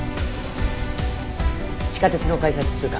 地下鉄の改札通過。